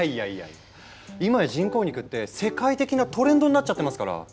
いまや人工肉って世界的なトレンドになっちゃってますから。